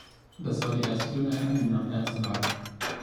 Das war die erste Bemerkung, die mir am Herzen lag.